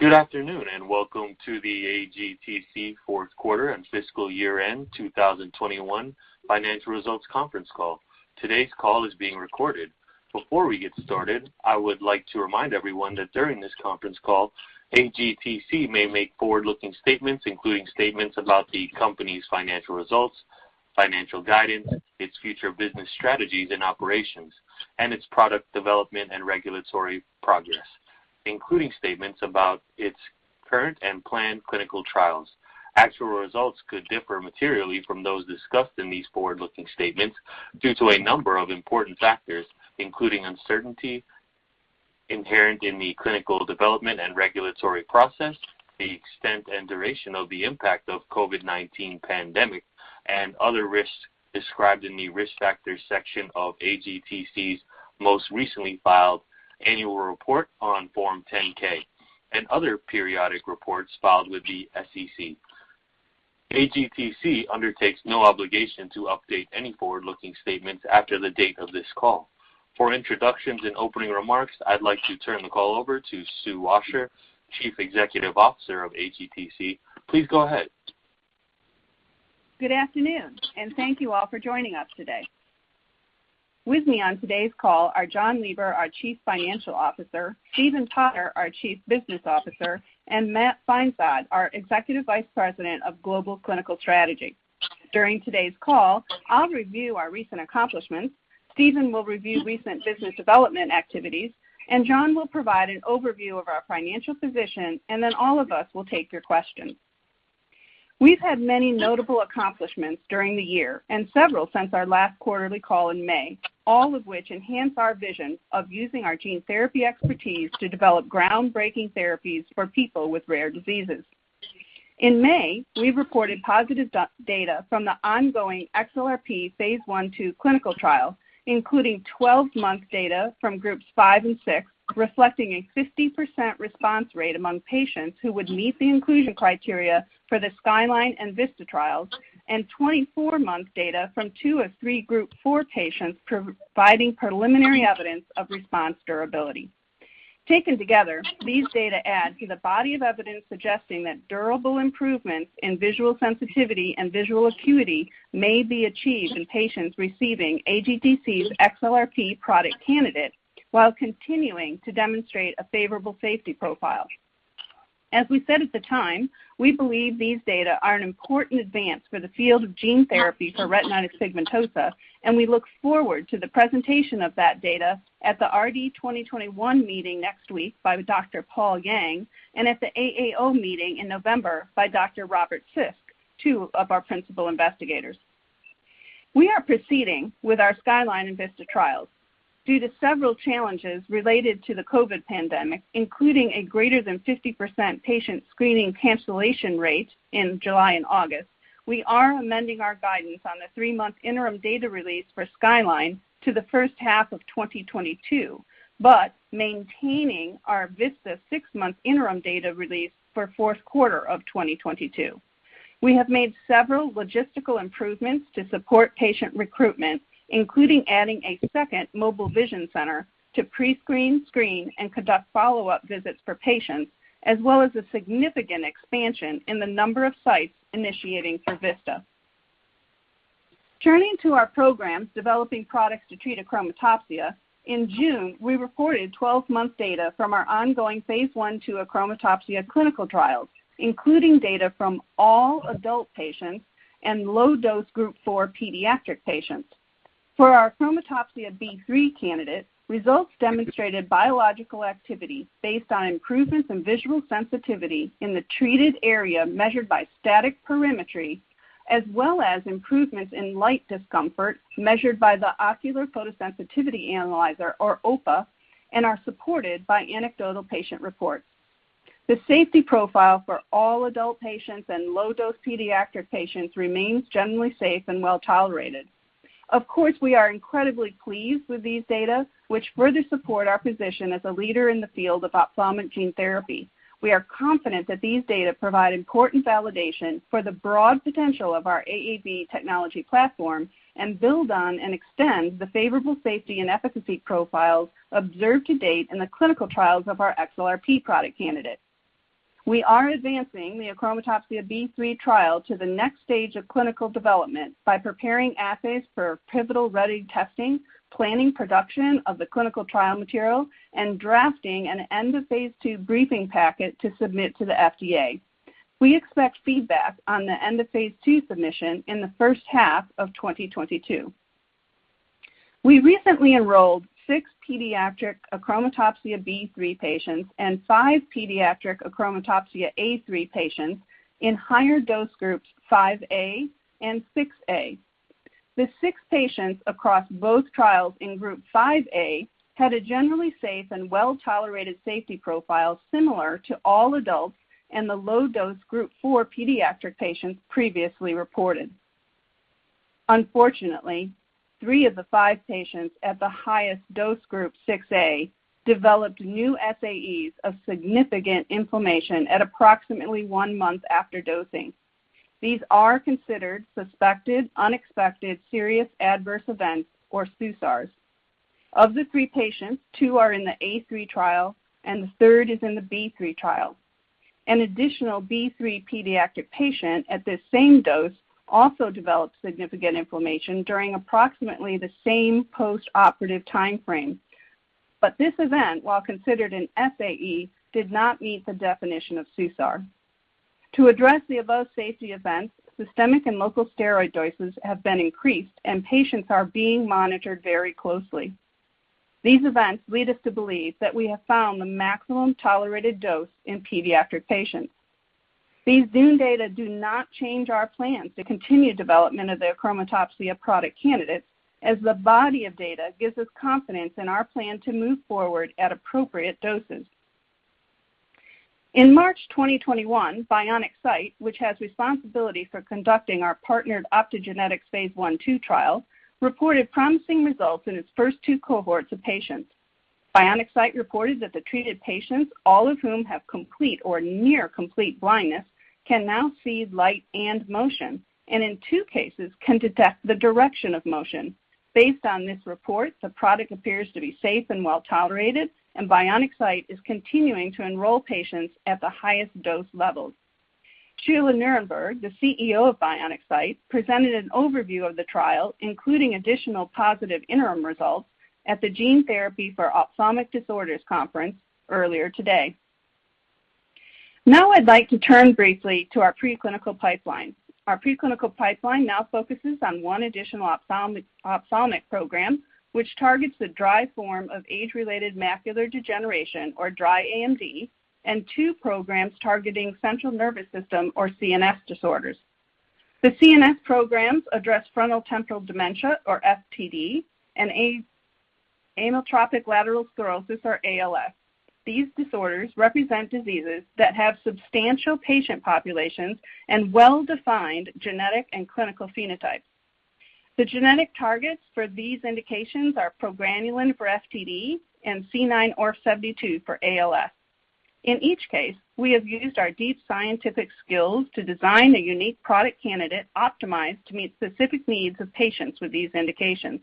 Good afternoon, and welcome to the AGTC fourth quarter and fiscal year-end 2021 financial results conference call. Today's call is being recorded. Before we get started, I would like to remind everyone that during this conference call, AGTC may make forward-looking statements, including statements about the company's financial results, financial guidance, its future business strategies and operations, and its product development and regulatory progress, including statements about its current and planned clinical trials. Actual results could differ materially from those discussed in these forward-looking statements due to a number of important factors, including uncertainty inherent in the clinical development and regulatory process, the extent and duration of the impact of COVID-19 pandemic, and other risks described in the Risk Factors section of AGTC's most recently filed annual report on Form 10-K and other periodic reports filed with the SEC. AGTC undertakes no obligation to update any forward-looking statements after the date of this call. For introductions and opening remarks, I'd like to turn the call over to Sue Washer, Chief Executive Officer of AGTC. Please go ahead. Good afternoon and thank you all for joining us today. With me on today's call are Jon Lieber, our Chief Financial Officer, Stephen Potter, our Chief Business Officer, and Matt Feinsod, our Executive Vice President of Global Clinical Strategy. During today's call, I'll review our recent accomplishments, Stephen will review recent business development activities, and Jon will provide an overview of our financial position, and then all of us will take your questions. We've had many notable accomplishments during the year, and several since our last quarterly call in May, all of which enhance our vision of using our gene therapy expertise to develop groundbreaking therapies for people with rare diseases. In May, we reported positive data from the ongoing XLRP phase I/II clinical trial, including 12-month data from Groups 5 and 6, reflecting a 50% response rate among patients who would meet the inclusion criteria for the SKYLINE and VISTA trials, and 24-month data from two of three Group four patients, providing preliminary evidence of response durability. Taken together, these data add to the body of evidence suggesting that durable improvements in visual sensitivity and visual acuity may be achieved in patients receiving AGTC's XLRP product candidate while continuing to demonstrate a favorable safety profile. As we said at the time, we believe these data are an important advance for the field of gene therapy for retinitis pigmentosa, and we look forward to the presentation of that data at the RD2021 meeting next week by Dr. Paul Yang, and at the AAO meeting in November by Dr. Robert Sisk, two of our principal investigators. We are proceeding with our SKYLINE and VISTA trials. Due to several challenges related to the COVID pandemic, including a greater than 50% patient screening cancellation rate in July and August, we are amending our guidance on the three-month interim data release for SKYLINE to the 1st half of 2022, but maintaining our VISTA six-month interim data release for 4th quarter of 2022. We have made several logistical improvements to support patient recruitment, including adding a second mobile vision center to pre-screen, screen, and conduct follow-up visits for patients, as well as a significant expansion in the number of sites initiating for VISTA. Turning to our programs developing products to treat achromatopsia, in June, we reported 12-month data from our ongoing phase I/II achromatopsia clinical trials, including data from all adult patients and low-dose Group 4 pediatric patients. For our Achromatopsia B3 candidate, results demonstrated biological activity based on improvements in visual sensitivity in the treated area measured by static perimetry, as well as improvements in light discomfort measured by the Ocular Photosensitivity Analyzer, or OPA, and are supported by anecdotal patient reports. The safety profile for all adult patients and low-dose pediatric patients remains generally safe and well-tolerated. Of course, we are incredibly pleased with these data, which further support our position as a leader in the field of ophthalmic gene therapy. We are confident that these data provide important validation for the broad potential of our AAV technology platform and build on and extend the favorable safety and efficacy profiles observed to date in the clinical trials of our XLRP product candidate. We are advancing the Achromatopsia B3 trial to the next stage of clinical development by preparing assays for pivotal-ready testing, planning production of the clinical trial material, and drafting an end of phase II briefing packet to submit to the FDA. We expect feedback on the end of phase II submission in the first half of 2022. We recently enrolled six pediatric Achromatopsia B3 patients and five pediatric Achromatopsia A3 patients in higher dose groups 5a and 6a. The 6 patients across both trials in Group 5a had a generally safe and well-tolerated safety profile similar to all adults and the low-dose Group 4 pediatric patients previously reported. Unfortunately, three of the five patients at the highest dose group, 6a, developed new SAEs of significant inflammation at approximately one month after dosing. These are considered suspected unexpected serious adverse events, or SUSARs. Of the three patients, two are in the A3 trial and the third is in the B3 trial. An additional B3 pediatric patient at this same dose also developed significant inflammation during approximately the same post-operative timeframe. This event, while considered an SAE, did not meet the definition of SUSAR. To address the above safety events, systemic and local steroid doses have been increased, and patients are being monitored very closely. These events lead us to believe that we have found the maximum tolerated dose in pediatric patients. These [Zun] data do not change our plans to continue development of the achromatopsia product candidates, as the body of data gives us confidence in our plan to move forward at appropriate doses. In March 2021, Bionic Sight, which has responsibility for conducting our partnered optogenetics phase I/II trial, reported promising results in its first two cohorts of patients. Bionic Sight reported that the treated patients, all of whom have complete or near complete blindness, can now see light and motion, and in two cases can detect the direction of motion. Based on this report, the product appears to be safe and well-tolerated, and Bionic Sight is continuing to enroll patients at the highest dose levels. Sheila Nirenberg, the CEO of Bionic Sight, presented an overview of the trial, including additional positive interim results, at the Gene Therapy for Ophthalmic Disorders conference earlier today. Now I'd like to turn briefly to our preclinical pipeline. Our preclinical pipeline now focuses on one additional ophthalmic program, which targets the dry form of age-related macular degeneration, or dry AMD, and two programs targeting central nervous system, or CNS, disorders. The CNS programs address frontotemporal dementia, or FTD, and amyotrophic lateral sclerosis, or ALS. These disorders represent diseases that have substantial patient populations and well-defined genetic and clinical phenotypes. The genetic targets for these indications are progranulin for FTD and C9orf72 for ALS. In each case, we have used our deep scientific skills to design a unique product candidate optimized to meet specific needs of patients with these indications.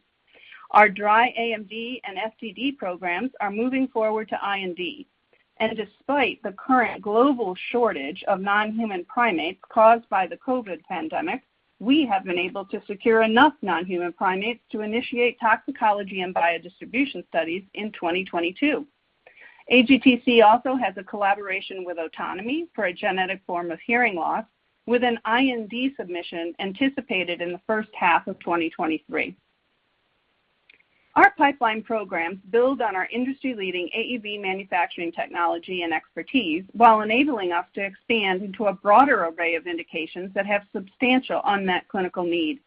Our dry AMD and FTD programs are moving forward to IND. Despite the current global shortage of non-human primates caused by the COVID pandemic, we have been able to secure enough non-human primates to initiate toxicology and biodistribution studies in 2022. AGTC also has a collaboration with Otonomy for a genetic form of hearing loss, with an IND submission anticipated in the first half of 2023. Our pipeline programs build on our industry-leading AAV manufacturing technology and expertise while enabling us to expand into a broader array of indications that have substantial unmet clinical needs.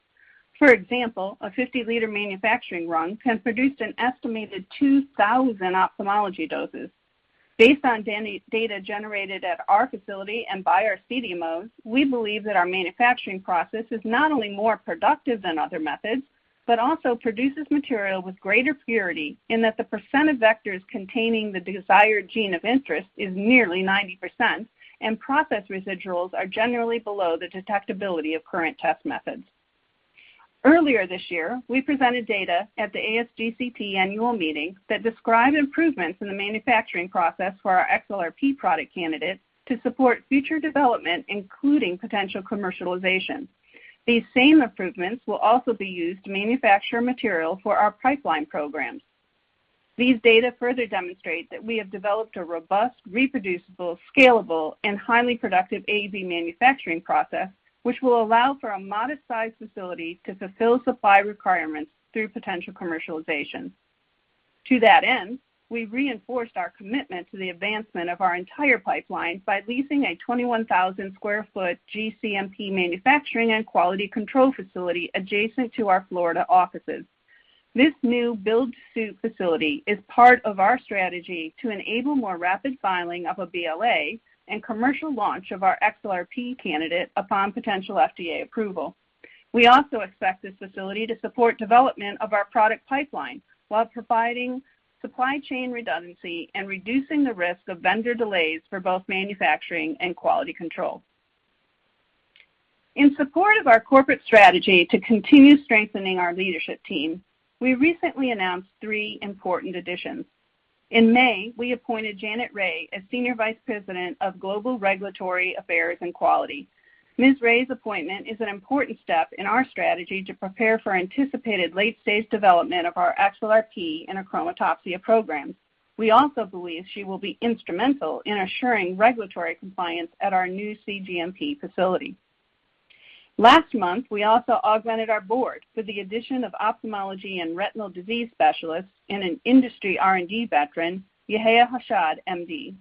For example, a 50 L manufacturing run can produce an estimated 2,000 ophthalmology doses. Based on data generated at our facility and by our CDMOs, we believe that our manufacturing process is not only more productive than other methods, but also produces material with greater purity in that the percent of vectors containing the desired gene of interest is nearly 90%, and process residuals are generally below the detectability of current test methods. Earlier this year, we presented data at the ASGCT annual meeting that describe improvements in the manufacturing process for our XLRP product candidate to support future development, including potential commercialization. These same improvements will also be used to manufacture material for our pipeline programs. These data further demonstrate that we have developed a robust, reproducible, scalable, and highly productive AAV manufacturing process, which will allow for a modest-sized facility to fulfill supply requirements through potential commercialization. To that end, we reinforced our commitment to the advancement of our entire pipeline by leasing a 21,000 sq ft cGMP manufacturing and quality control facility adjacent to our Florida offices. This new build-to-suit facility is part of our strategy to enable more rapid filing of a BLA and commercial launch of our XLRP candidate upon potential FDA approval. We also expect this facility to support development of our product pipeline while providing supply chain redundancy and reducing the risk of vendor delays for both manufacturing and quality control. In support of our corporate strategy to continue strengthening our leadership team, we recently announced three important additions. In May, we appointed Janet Rae as Senior Vice President of Global Regulatory Affairs and Quality. Ms. Ray's appointment is an important step in our strategy to prepare for anticipated late-stage development of our XLRP and achromatopsia programs. We also believe she will be instrumental in assuring regulatory compliance at our new cGMP facility. Last month, we also augmented our board with the addition of ophthalmology and retinal disease specialist and an industry R&D veteran, Yehia Hashad, MD.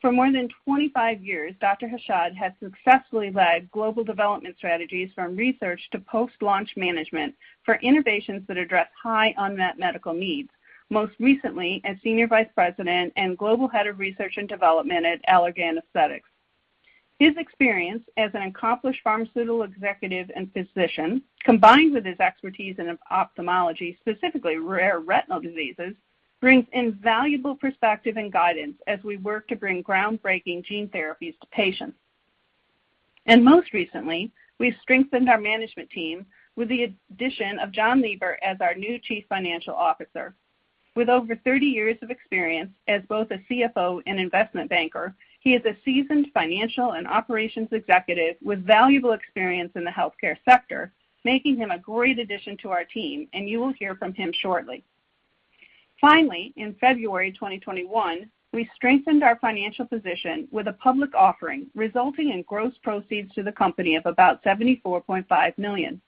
For more than 25 years, Dr. Hashad has successfully led global development strategies from research to post-launch management for innovations that address high unmet medical needs, most recently as Senior Vice President and Global Head of Research and Development at Allergan Aesthetics. His experience as an accomplished pharmaceutical executive and physician, combined with his expertise in ophthalmology, specifically rare retinal diseases, brings invaluable perspective and guidance as we work to bring groundbreaking gene therapies to patients. Most recently, we've strengthened our management team with the addition of Jon Lieber as our new Chief Financial Officer. With over 30 years of experience as both a CFO and investment banker, he is a seasoned financial and operations executive with valuable experience in the healthcare sector, making him a great addition to our team, and you will hear from him shortly. Finally, in February 2021, we strengthened our financial position with a public offering, resulting in gross proceeds to the company of about $74.5 million.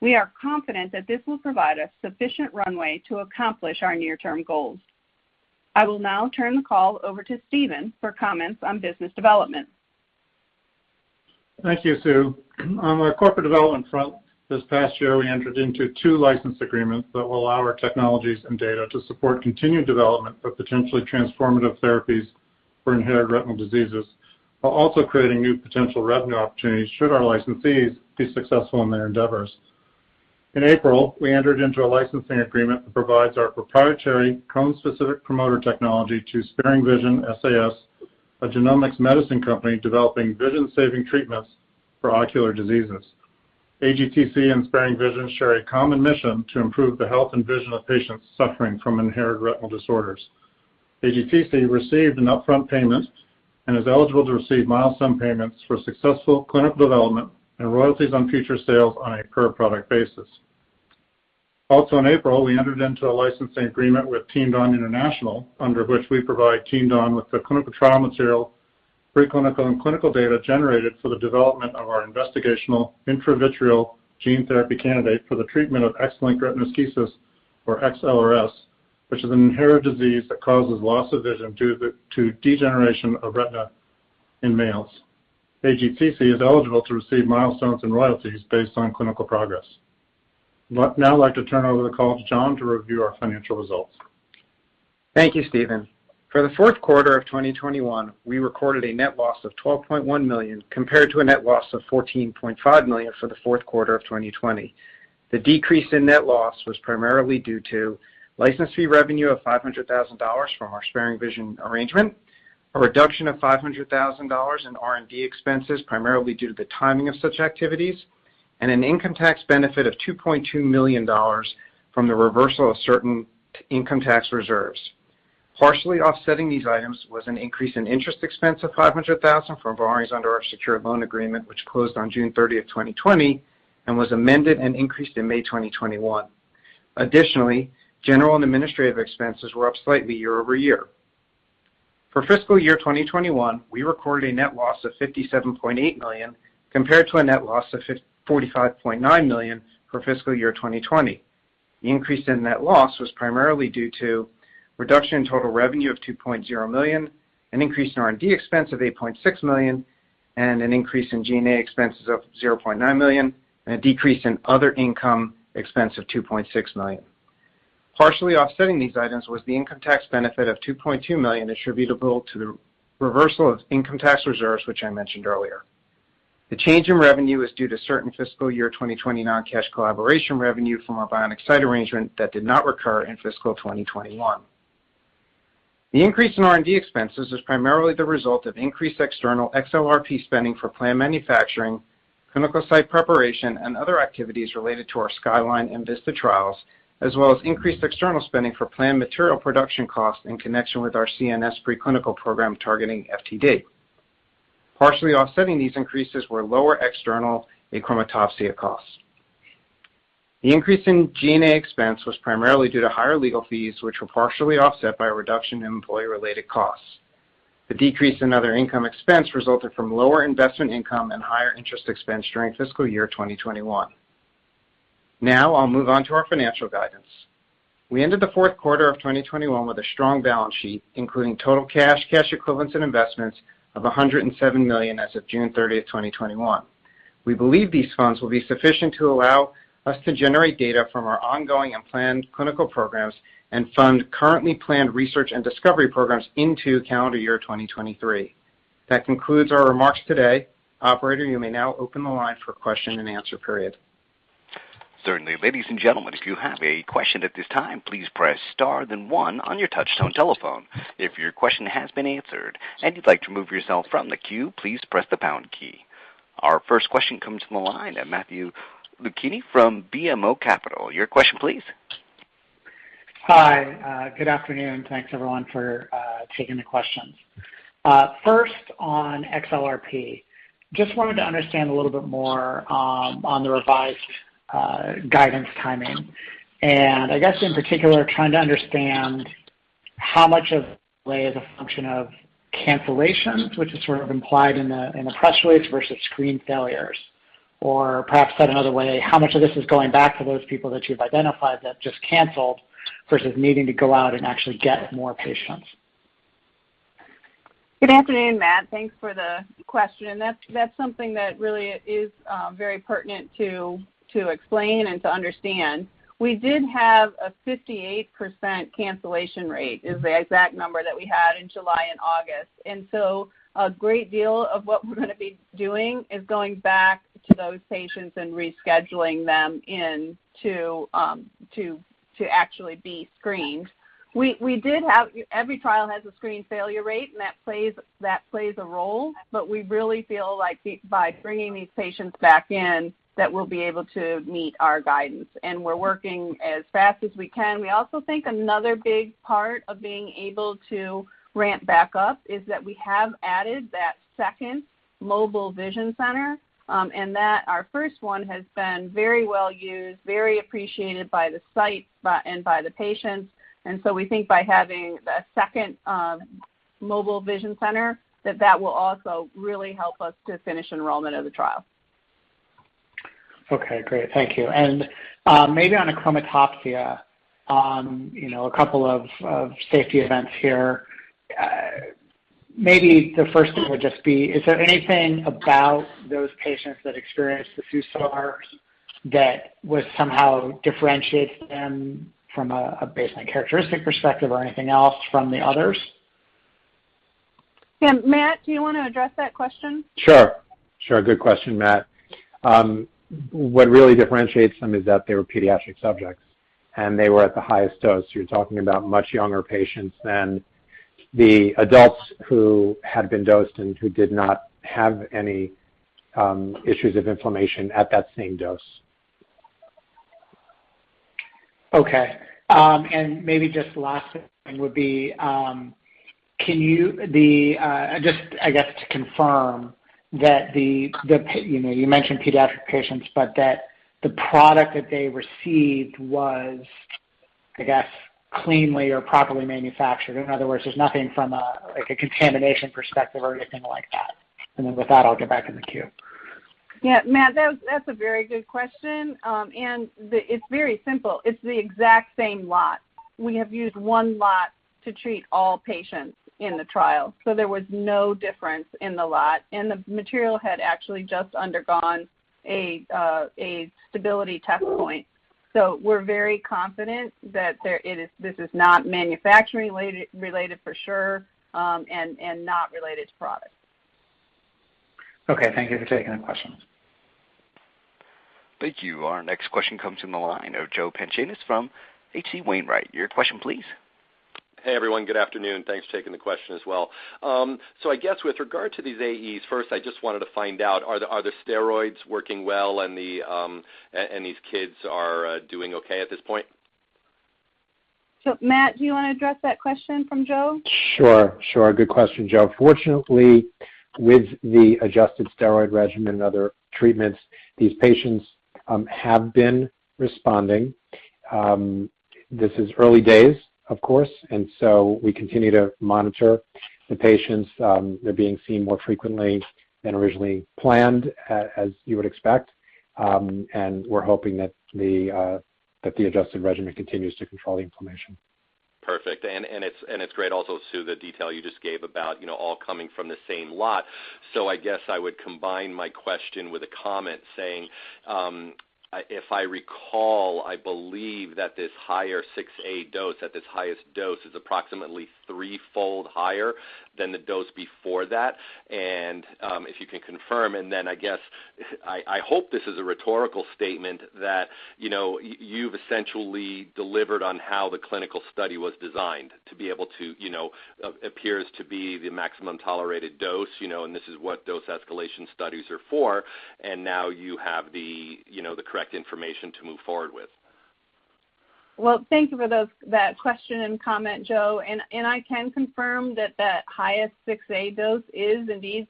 We are confident that this will provide us sufficient runway to accomplish our near-term goals. I will now turn the call over to Stephen for comments on business development. Thank you, Sue. On our corporate development front, this past year we entered into two license agreements that will allow our technologies and data to support continued development of potentially transformative therapies for inherited retinal diseases, while also creating new potential revenue opportunities should our licensees be successful in their endeavors. In April, we entered into a licensing agreement that provides our proprietary cone-specific promoter technology to SparingVision SAS, a genomic medicine company developing vision-saving treatments for ocular diseases. AGTC and SparingVision share a common mission to improve the health and vision of patients suffering from inherited retinal diseases. AGTC received an upfront payment and is eligible to receive milestone payments for successful clinical development and royalties on future sales on a per-product basis. Also, in April, we entered into a licensing agreement with TienDan International, under which we provide TienDan with the clinical trial material, preclinical and clinical data generated for the development of our investigational intravitreal gene therapy candidate for the treatment of X-linked retinoschisis, or XLRS, which is an inherited disease that causes loss of vision due to degeneration of retina in males. AGTC is eligible to receive milestones and royalties based on clinical progress. I'd now like to turn over the call to Jon to review our financial results. Thank you, Stephen. For the fourth quarter of 2021, we recorded a net loss of $12.1 million compared to a net loss of $14.5 million for the fourth quarter of 2020. The decrease in net loss was primarily due to license fee revenue of $500,000 from our SparingVision arrangement, a reduction of $500,000 in R&D expenses, primarily due to the timing of such activities, and an income tax benefit of $2.2 million from the reversal of certain income tax reserves. Partially offsetting these items was an increase in interest expense of $500,000 from borrowings under our secured loan agreement, which closed on June 30, 2020, and was amended and increased in May 2021. Additionally, general and administrative expenses were up slightly year-over-year. For fiscal year 2021, we recorded a net loss of $57.8 million, compared to a net loss of $45.9 million for fiscal year 2020. The increase in net loss was primarily due to a reduction in total revenue of $2.0 million, an increase in R&D expense of $8.6 million, an increase in G&A expenses of $0.9 million, and a decrease in other income expense of $2.6 million. Partially offsetting these items was the income tax benefit of $2.2 million attributable to the reversal of income tax reserves, which I mentioned earlier. The change in revenue is due to certain fiscal year 2020 non-cash collaboration revenue from our Bionic Sight arrangement that did not recur in fiscal 2021. The increase in R&D expenses is primarily the result of increased external XLRP spending for planned manufacturing, clinical site preparation, and other activities related to our SKYLINE and VISTA trials, as well as increased external spending for planned material production costs in connection with our CNS pre-clinical program targeting FTD. Partially offsetting these increases were lower external achromatopsia costs. The increase in G&A expense was primarily due to higher legal fees, which were partially offset by a reduction in employee-related costs. The decrease in other income expense resulted from lower investment income and higher interest expense during FY 2021. I'll move on to our financial guidance. We ended the fourth quarter of 2021 with a strong balance sheet, including total cash equivalents, and investments of $107 million as of June 30, 2021. We believe these funds will be sufficient to allow us to generate data from our ongoing and planned clinical programs and fund currently planned research and discovery programs into calendar year 2023. That concludes our remarks today. Operator, you may now open the line for question-and-answer answer period. Ladies and gentlemen, if you have a question this time, please press star and one on your touchphone telephone if your question has been answered and you like to remove yourself from the queue please press the pound key. Our first question comes from the line at Matthew Luchini from BMO Capital. Your question, please. Hi. Good afternoon. Thanks, everyone, for taking the questions. First, on XLRP. Just wanted to understand a little bit more on the revised guidance timing. I guess in particular, trying to understand how much of the delay is a function of cancellations, which is sort of implied in the press release, versus screen failures. Perhaps said another way, how much of this is going back to those people that you've identified that just canceled, versus needing to go out and actually get more patients? Good afternoon, Matt. Thanks for the question. That's something that really is very pertinent to explain and to understand. We did have a 58% cancellation rate, is the exact number that we had in July and August. A great deal of what we're going to be doing is going back to those patients and rescheduling them in to actually be screened. Every trial has a screen failure rate, and that plays a role, but we really feel like by bringing these patients back in, that we'll be able to meet our guidance. We're working as fast as we can. We also think another big part of being able to ramp back up is that we have added that second mobile vision center, and that our first one has been very well used, very appreciated by the sites and by the patients. We think by having the second mobile vision center, that will also really help us to finish enrollment of the trial. Okay, great. Thank you. Maybe on achromatopsia, a couple of safety events here. Maybe the first thing would just be, is there anything about those patients that experienced the SUSARs that would somehow differentiate them from a baseline characteristic perspective or anything else from the others? Yeah. Matt, do you want to address that question? Sure. Good question, Matt. What really differentiates them is that they were pediatric subjects and they were at the highest dose. You're talking about much younger patients than the adults who had been dosed and who did not have any issues of inflammation at that same dose. Okay. Maybe just the last thing would be, I guess to confirm that you mentioned pediatric patients, but that the product that they received was, I guess, cleanly or properly manufactured. In other words, there's nothing from a contamination perspective or anything like that. With that, I'll get back in the queue. Yeah. Matt, that's a very good question. It's very simple. It's the exact same lot. We have used one lot to treat all patients in the trial. There was no difference in the lot, and the material had actually just undergone a stability test point. We're very confident that this is not manufacturing-related for sure and not related to product. Okay. Thank you for taking the question. Thank you. Our next question comes from the line of Joe Pantginis from H.C. Wainwright. Your question, please. Hey, everyone. Good afternoon. Thanks for taking the question as well. I guess with regard to these AEs, first, I just wanted to find out, are the steroids working well and these kids are doing okay at this point? Matt, do you want to address that question from Joe? Sure. Good question, Joe. Fortunately, with the adjusted steroid regimen and other treatments, these patients have been responding. This is early days, of course, we continue to monitor the patients. They're being seen more frequently than originally planned, as you would expect. We're hoping that the adjusted regimen continues to control the inflammation. Perfect. It's great also, Sue, the detail you just gave about all coming from the same lot. I guess I would combine my question with a comment saying, if I recall, I believe that this higher 6a dose, at this highest dose, is approximately three-fold higher than the dose before that. If you can confirm, and then I guess, I hope this is a rhetorical statement that you've essentially delivered on how the clinical study was designed to be able to appears to be the maximum tolerated dose, and this is what dose escalation studies are for, and now you have the correct information to move forward with. Well, thank you for that question and comment, Joe. I can confirm that that highest 6a dose is indeed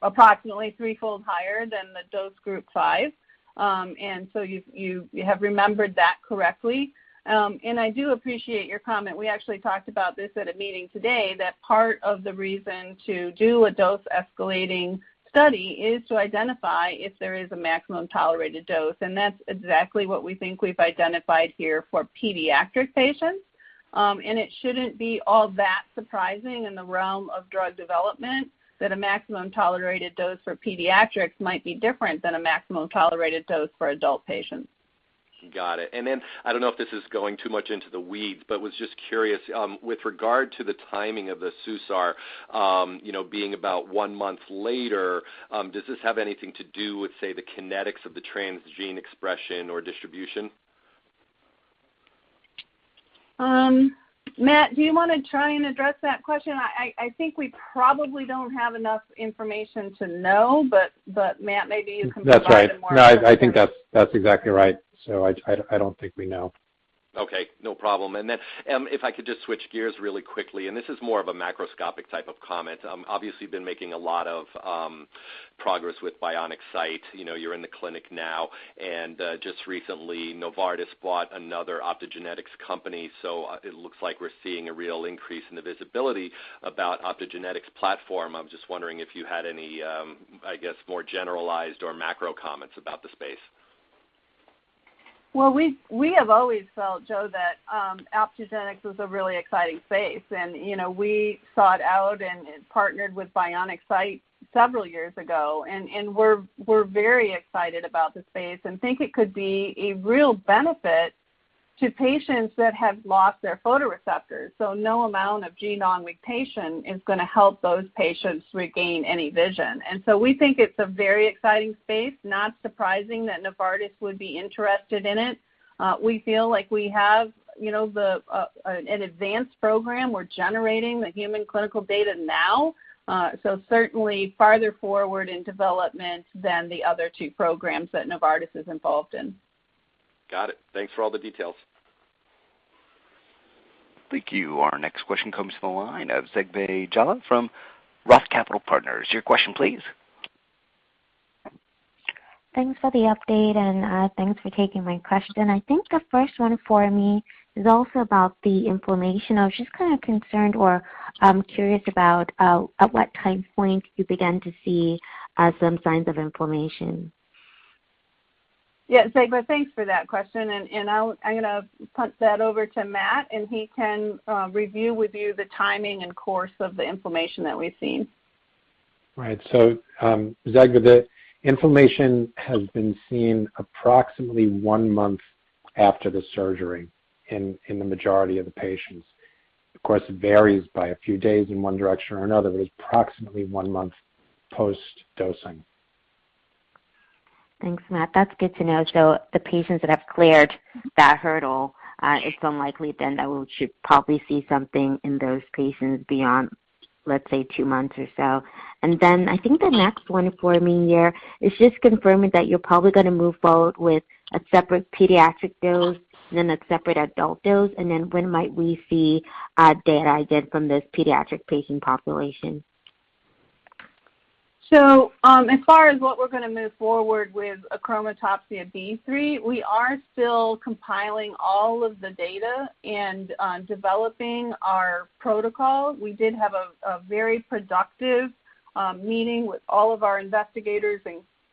approximately threefold higher than the dose Group 5. You have remembered that correctly. I do appreciate your comment. We actually talked about this at a meeting today, that part of the reason to do a dose-escalating study is to identify if there is a maximum tolerated dose, and that's exactly what we think we've identified here for pediatric patients. It shouldn't be all that surprising in the realm of drug development that a maximum tolerated dose for pediatrics might be different than a maximum tolerated dose for adult patients. Got it. I don't know if this is going too much into the weeds, but was just curious, with regard to the timing of the SUSAR being about one month later, does this have anything to do with, say, the kinetics of the transgene expression or distribution? Matt, do you want to try and address that question? I think we probably don't have enough information to know, but Matt, maybe you can provide some more. That's right. No, I think that's exactly right. I don't think we know. Okay, no problem. If I could just switch gears really quickly, and this is more of a macroscopic type of comment. Obviously, been making a lot of progress with Bionic Sight. You're in the clinic now, and just recently, Novartis bought another optogenetics company. It looks like we're seeing a real increase in the visibility about optogenetics platform. I'm just wondering if you had any, I guess, more generalized or macro comments about the space. Well, we have always felt, Joe, that optogenetics was a really exciting space. We sought out and partnered with Bionic Sight several years ago, and we're very excited about the space and think it could be a real benefit to patients that have lost their photoreceptors. No amount of gene non-mutation is going to help those patients regain any vision. We think it's a very exciting space, not surprising that Novartis would be interested in it. We feel like we have an advanced program. We're generating the human clinical data now. Certainly farther forward in development than the other two programs that Novartis is involved in. Got it. Thanks for all the details. Thank you. Our next question comes from the line of Zegbeh Jallah from Roth Capital Partners. Your question, please. Thanks for the update and thanks for taking my question. I think the first one for me is also about the inflammation. I was just kind of concerned or curious about at what time point you began to see some signs of inflammation? Yeah, Zegbeh, thanks for that question. I'm going to punt that over to Matt, and he can review with you the timing and course of the inflammation that we've seen. Right. Zegbeh, the inflammation has been seen approximately one month after the surgery in the majority of the patients. Of course, it varies by a few days in one direction or another, but it's approximately one month post-dosing. Thanks, Matt. That's good to know. The patients that have cleared that hurdle, it's unlikely that we should probably see something in those patients beyond, let's say, two months or so. I think the next one for me here is just confirming that you're probably going to move forward with a separate pediatric dose, a separate adult dose, when might we see data again from this pediatric patient population? As far as what we're going to move forward with Achromatopsia B3, we are still compiling all of the data and developing our protocol. We did have a very productive meeting with all of our investigators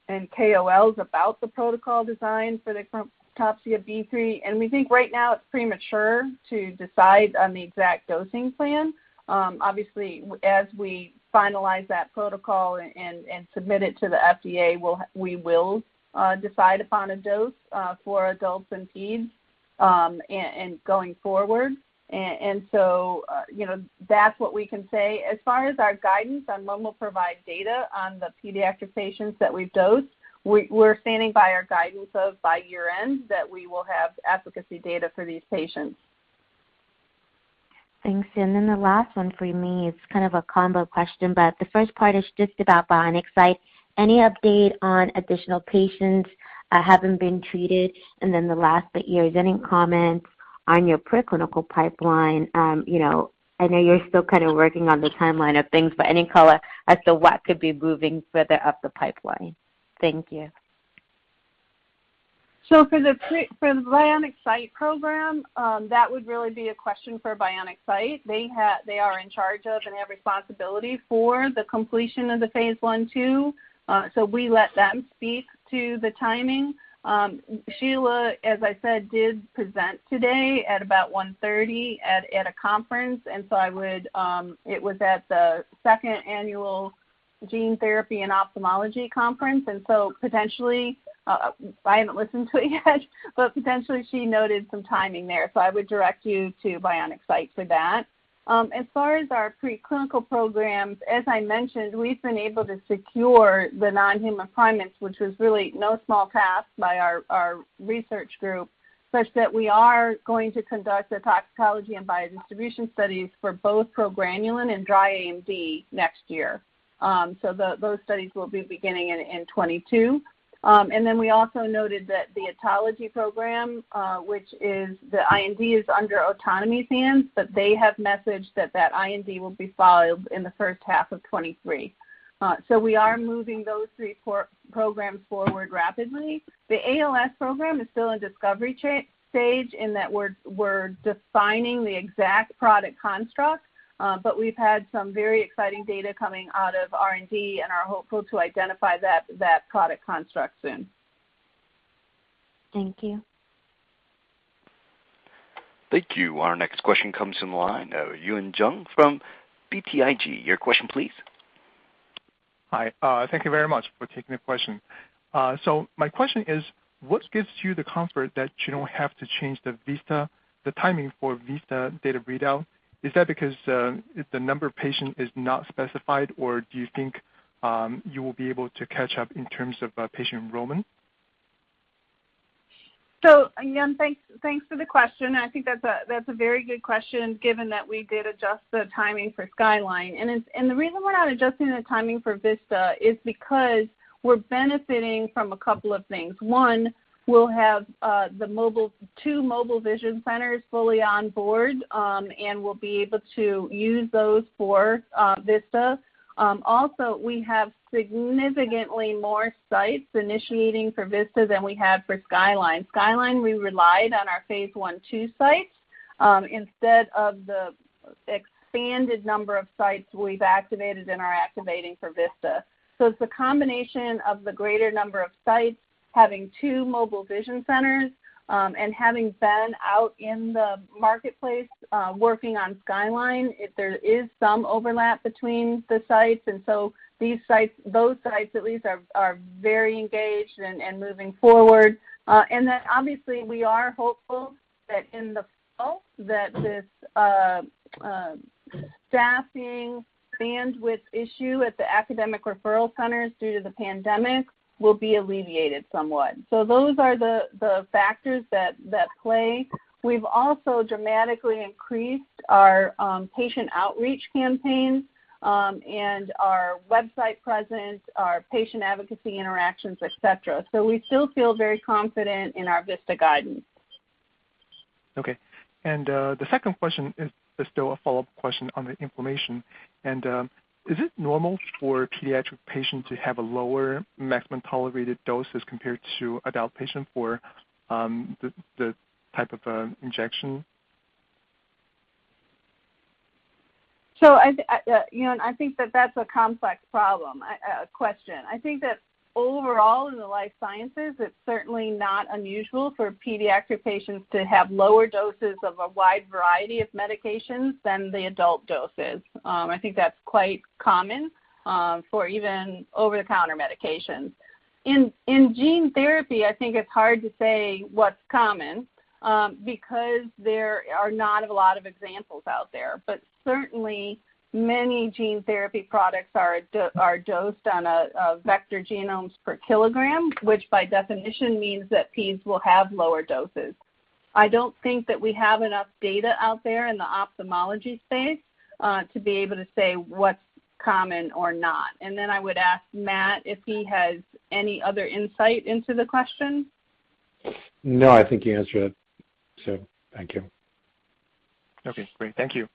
and KOLs about the protocol design for the Achromatopsia B3, and we think right now it's premature to decide on the exact dosing plan. Obviously, as we finalize that protocol and submit it to the FDA, we will decide upon a dose for adults and peds and going forward. That's what we can say. As far as our guidance on when we'll provide data on the pediatric patients that we've dosed, we're standing by our guidance of by year-end that we will have efficacy data for these patients. Thanks. The last one for me, it's kind of a combo question, but the first part is just about Bionic Sight. Any update on additional patients that haven't been treated? The last bit here, is any comments on your preclinical pipeline? I know you're still working on the timeline of things, but any color as to what could be moving further up the pipeline? Thank you. For the Bionic Sight program, that would really be a question for Bionic Sight. They are in charge of and have responsibility for the completion of the phase I/II. We let them speak to the timing. Sheila, as I said, did present today at about 1:30 at a conference. It was at the Second Annual Gene Therapy for Ophthalmic Disorders, potentially, I haven't listened to it yet potentially she noted some timing there. I would direct you to Bionic Sight for that. As far as our preclinical programs, as I mentioned, we've been able to secure the non-human primates, which was really no small task by our research group, such that we are going to conduct the toxicology and biodistribution studies for both progranulin and dry AMD next year. Those studies will be beginning in 2022. Then we also noted that the otology program, which is the IND is under Otonomy's AMPS, but they have messaged that that IND will be filed in the first half of 2023. We are moving those three programs forward rapidly. The ALS program is still in discovery stage in that we're defining the exact product construct. We've had some very exciting data coming out of R&D and are hopeful to identify that product construct soon. Thank you. Thank you. Our next question comes from the line. Yun Zhong from BTIG. Your question, please. Hi. Thank you very much for taking the question. My question is, what gives you the comfort that you don't have to change the timing for VISTA data readout? Is that because the number of patients is not specified, or do you think you will be able to catch up in terms of patient enrollment? Yun, thanks for the question. I think that's a very good question given that we did adjust the timing for SKYLINE. The reason we're not adjusting the timing for VISTA is because we're benefiting from a couple of things. one, we'll have the two mobile vision centers fully on board, and we'll be able to use those for VISTA. Also, we have significantly more sites initiating for VISTA than we had for SKYLINE. SKYLINE, we relied on our phase I/II sites instead of the expanded number of sites we've activated and are activating for VISTA. It's a combination of the greater number of sites, having two mobile vision centers, and having been out in the marketplace, working on SKYLINE. There is some overlap between the sites, and so those sites, at least, are very engaged and moving forward. Obviously, we are hopeful that in the fall, that this staffing bandwidth issue at the academic referral centers due to the pandemic will be alleviated somewhat. Those are the factors that play. We've also dramatically increased our patient outreach campaign, and our website presence, our patient advocacy interactions, et cetera. We still feel very confident in our VISTA guidance. Okay. The second question is still a follow-up question on the inflammation. Is it normal for pediatric patients to have a lower maximum tolerated dose as compared to adult patients for the type of injection? I think that's a complex question. I think that overall in the life sciences, it is certainly not unusual for pediatric patients to have lower doses of a wide variety of medications than the adult doses. I think that is quite common for even over-the-counter medications. In gene therapy, I think it is hard to say what is common, because there are not a lot of examples out there. Certainly, many gene therapy products are dosed on a vector genomes per kilogram, which by definition means that pedes will have lower doses. I do not think that we have enough data out there in the ophthalmology space to be able to say what is common or not. I would ask Matt if he has any other insight into the question. No, I think you answered it. Thank you. Okay, great. Thank you.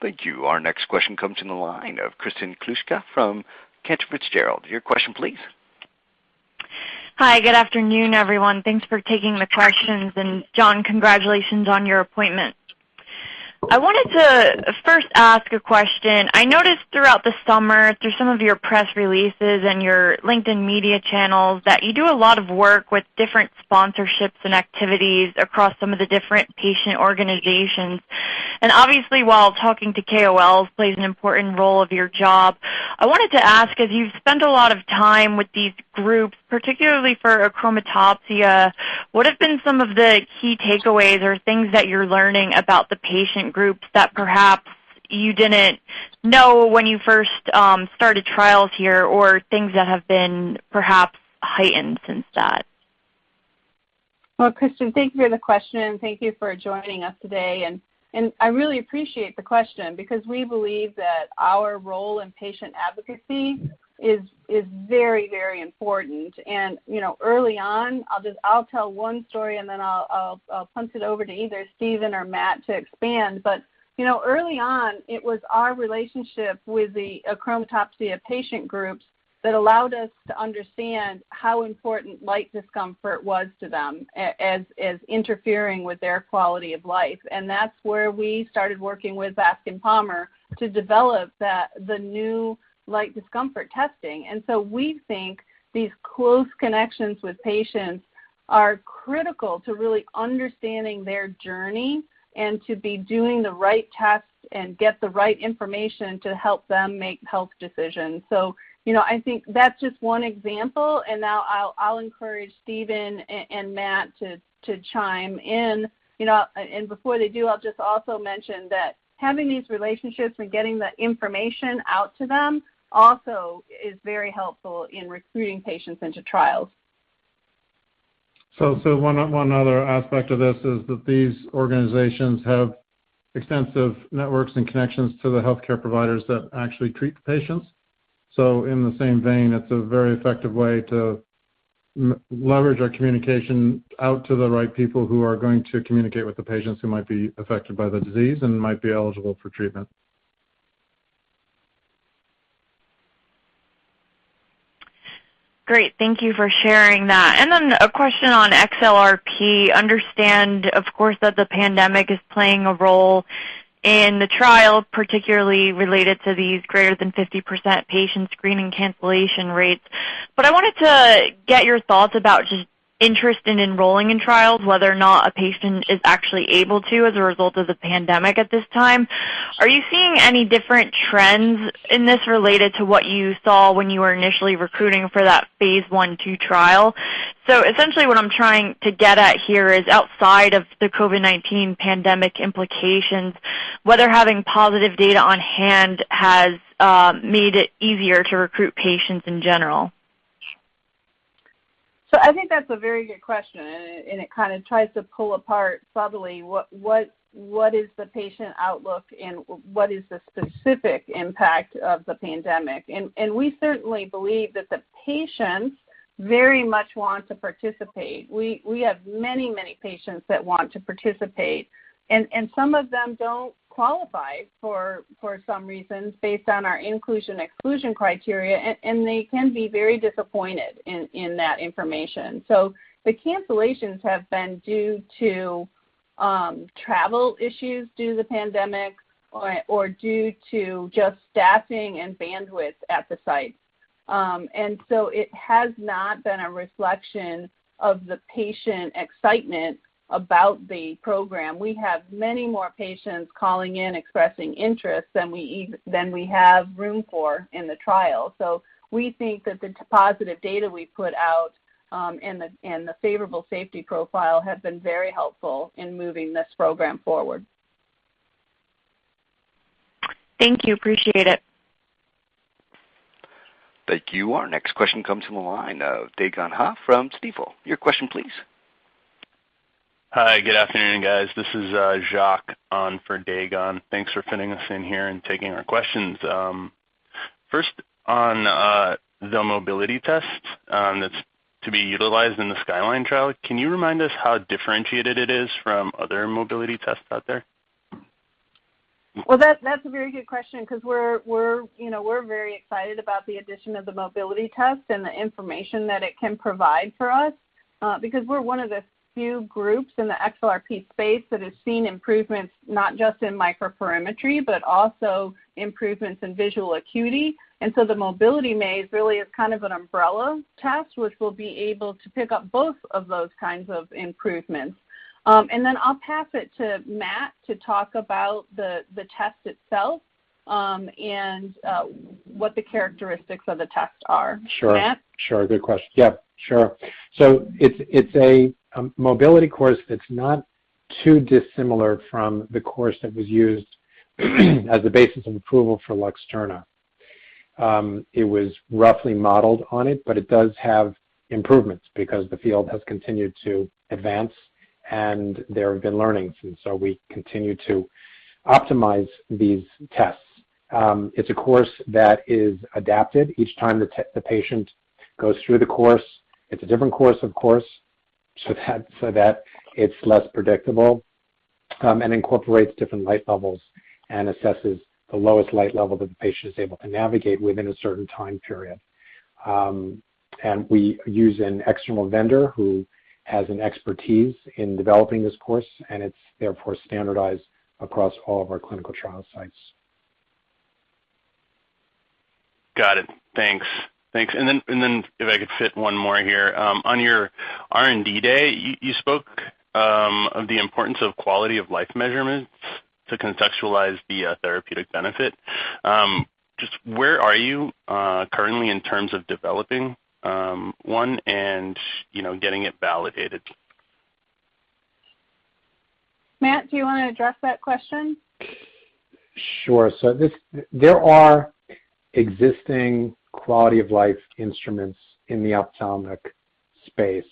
Thank you. Our next question comes from the line of Kristen Kluska from Cantor Fitzgerald. Your question, please. Hi, good afternoon, everyone. Thanks for taking the questions. Jon, congratulations on your appointment. I wanted to first ask a question. I noticed throughout the summer through some of your press releases and your LinkedIn media channels that you do a lot of work with different sponsorships and activities across some of the different patient organizations. Obviously, while talking to KOLs plays an important role of your job, I wanted to ask, as you've spent a lot of time with these groups, particularly for achromatopsia, what have been some of the key takeaways or things that you're learning about the patient groups that perhaps you didn't know when you first started trials here, or things that have been perhaps heightened since that? Well, Kristen, thank you for the question, and thank you for joining us today. I really appreciate the question because we believe that our role in patient advocacy is very important. Early on, I'll tell one story and then I'll punt it over to either Stephen or Matt to expand. Early on, it was our relationship with the achromatopsia patient groups that allowed us to understand how important light discomfort was to them as interfering with their quality of life. That's where we started working with Bascom Palmer to develop the new light discomfort testing. We think these close connections with patients are critical to really understanding their journey and to be doing the right tests and get the right information to help them make health decisions. I think that's just one example, and now I'll encourage Stephen and Matt to chime in. Before they do, I'll just also mention that having these relationships and getting the information out to them also is very helpful in recruiting patients into trials. One other aspect of this is that these organizations have extensive networks and connections to the healthcare providers that actually treat the patients. In the same vein, it's a very effective way to leverage our communication out to the right people who are going to communicate with the patients who might be affected by the disease and might be eligible for treatment. Great. Thank you for sharing that. A question on XLRP. Understand, of course, that the pandemic is playing a role in the trial, particularly related to these greater than 50% patient screening cancellation rates. I wanted to get your thoughts about just interest in enrolling in trials, whether or not a patient is actually able to as a result of the pandemic at this time. Are you seeing any different trends in this related to what you saw when you were initially recruiting for that phase I, II trial? Essentially what I'm trying to get at here is outside of the COVID-19 pandemic implications, whether having positive data on hand has made it easier to recruit patients in general. I think that's a very good question, and it kind of tries to pull apart subtly what is the patient outlook and what is the specific impact of the pandemic. We certainly believe that the patients very much want to participate. We have many patients that want to participate, and some of them don't qualify for some reasons based on our inclusion/exclusion criteria, and they can be very disappointed in that information. The cancellations have been due to travel issues due to the pandemic or due to just staffing and bandwidth at the sites. It has not been a reflection of the patient excitement about the program. We have many more patients calling in expressing interest than we have room for in the trial. We think that the positive data we put out, and the favorable safety profile have been very helpful in moving this program forward. Thank you. Appreciate it. Thank you. Our next question comes from the line of Dae Gon Ha from Stifel. Your question, please. Hi, good afternoon, guys. This is Jacques on for Dae Gon Ha. Thanks for fitting us in here and taking our questions. First on the mobility test that's to be utilized in the SKYLINE trial, can you remind us how differentiated it is from other mobility tests out there? That's a very good question because we're very excited about the addition of the mobility test and the information that it can provide for us. We're one of the few groups in the XLRP space that has seen improvements not just in microperimetry, but also improvements in visual acuity. The mobility maze really is kind of an umbrella test, which will be able to pick up both of those kinds of improvements. Then I'll pass it to Matt to talk about the test itself, and what the characteristics of the test are. Matt? Sure. Good question. Yep. Sure. It's a mobility course that's not too dissimilar from the course that was used as the basis of approval for LUXTURNA. It was roughly modeled on it, but it does have improvements because the field has continued to advance, and there have been learnings, and so we continue to optimize these tests. It's a course that is adapted each time the patient goes through the course. It's a different course, of course, so that it's less predictable, and incorporates different light levels and assesses the lowest light level that the patient is able to navigate within a certain time period. We use an external vendor who has an expertise in developing this course, and it's therefore standardized across all of our clinical trial sites. Got it. Thanks. If I could fit one more here. On your R&D day, you spoke of the importance of quality-of-life measurements to contextualize the therapeutic benefit. Just where are you currently in terms of developing one and getting it validated? Matt, do you want to address that question? Sure. There are existing quality-of-life instruments in the ophthalmic space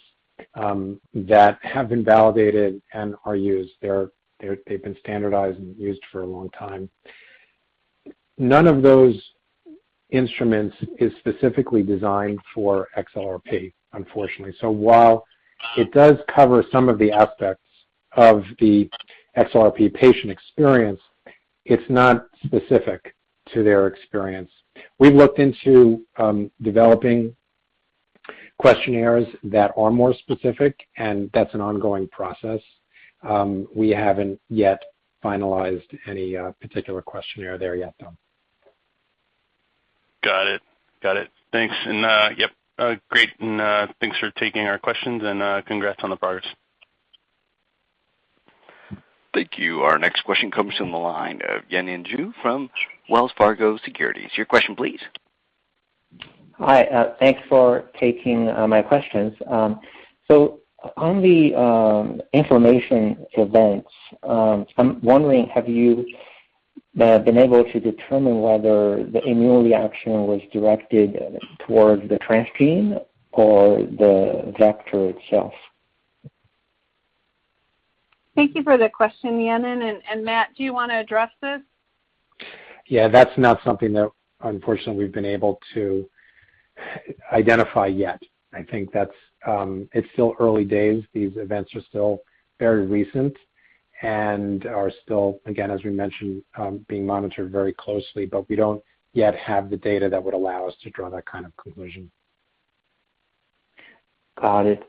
that have been validated and are used. They've been standardized and used for a long time. None of those instruments is specifically designed for XLRP, unfortunately. While it does cover some of the aspects of the XLRP patient experience, it's not specific to their experience. We've looked into developing questionnaires that are more specific, and that's an ongoing process. We haven't yet finalized any particular questionnaire there yet, though. Got it. Thanks. Yep. Great. Thanks for taking our questions and congrats on the progress. Thank you. Our next question comes from the line of Yanan Zhu from Wells Fargo Securities. Your question, please. Hi, thanks for taking my questions. On the inflammation events, I'm wondering, have you been able to determine whether the immune reaction was directed towards the transgene or the vector itself? Thank you for the question, Yanan. Matt, do you want to address this? Yeah, that's not something that unfortunately we've been able to identify yet. I think it's still early days. These events are still very recent and are still, again, as we mentioned, being monitored very closely, but we don't yet have the data that would allow us to draw that kind of conclusion. Got it.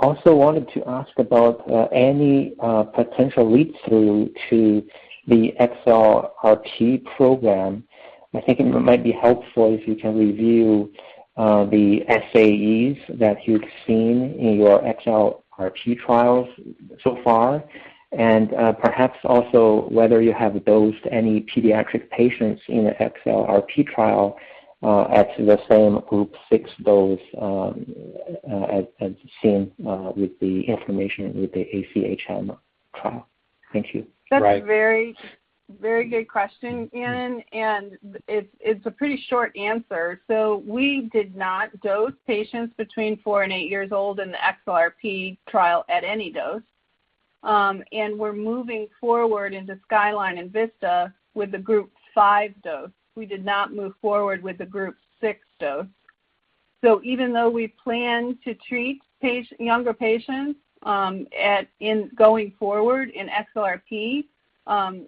Also wanted to ask about any potential lead through to the XLRP program. I think it might be helpful if you can review the SAEs that you've seen in your XLRP trials so far, and perhaps also whether you have dosed any pediatric patients in the XLRP trial at the same Group 6 dose as seen with the inflammation with the ACHM trial. Thank you. Bye. That's a very good question, Yanan. It's a pretty short answer. We did not dose patients between four and eight years old in the XLRP trial at any dose. We're moving forward into SKYLINE and VISTA with the Group 5 dose. We did not move forward with the Group 6 dose. Even though we plan to treat younger patients in going forward in XLRP,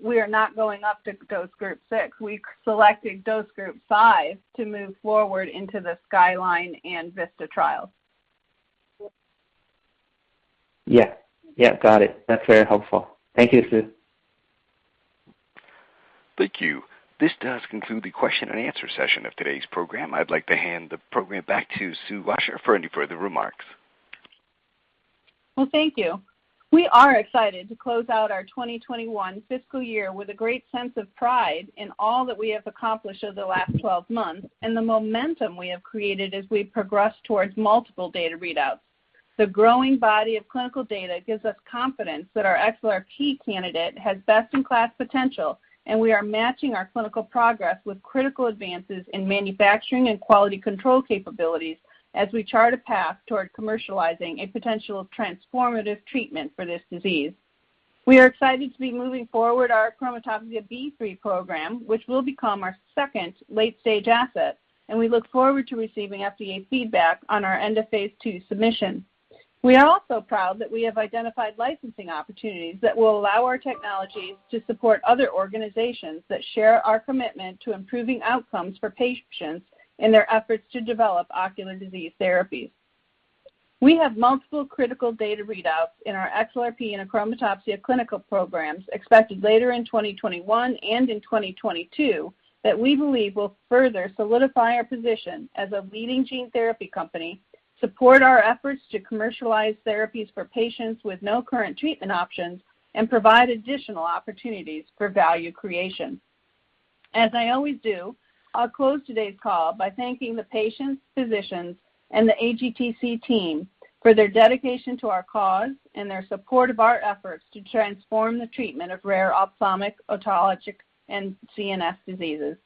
we are not going up to dose Group 6. We selected dose Group 5 to move forward into the SKYLINE and VISTA trials. Yeah. Got it. That's very helpful. Thank you, Sue. Thank you. This does conclude the question-and-answer session of today's program. I'd like to hand the program back to Sue Washer for any further remarks. Well, thank you. We are excited to close out our 2021 fiscal year with a great sense of pride in all that we have accomplished over the last 12 months and the momentum we have created as we progress towards multiple data readouts. The growing body of clinical data gives us confidence that our XLRP candidate has best-in-class potential, and we are matching our clinical progress with critical advances in manufacturing and quality control capabilities as we chart a path toward commercializing a potential transformative treatment for this disease. We are excited to be moving forward our Achromatopsia B3 program, which will become our second late-stage asset, and we look forward to receiving FDA feedback on our end-of-phase II submission. We are also proud that we have identified licensing opportunities that will allow our technologies to support other organizations that share our commitment to improving outcomes for patients in their efforts to develop ocular disease therapies. We have multiple critical data readouts in our XLRP and achromatopsia clinical programs expected later in 2021 and in 2022 that we believe will further solidify our position as a leading gene therapy company, support our efforts to commercialize therapies for patients with no current treatment options, and provide additional opportunities for value creation. As I always do, I'll close today's call by thanking the patients, physicians, and the AGTC team for their dedication to our cause and their support of our efforts to transform the treatment of rare ophthalmic, otologic, and CNS diseases.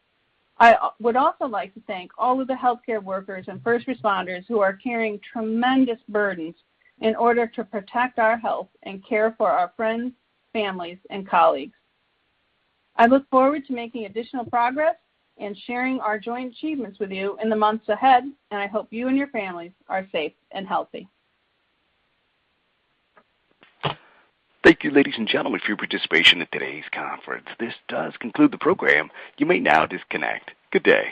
I would also like to thank all of the healthcare workers and first responders who are carrying tremendous burdens in order to protect our health and care for our friends, families, and colleagues. I look forward to making additional progress and sharing our joint achievements with you in the months ahead. I hope you and your families are safe and healthy. Thank you, ladies and gentlemen, for your participation in today's conference. This does conclude the program. You may now disconnect. Good day.